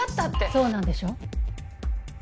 そうなんでしょ？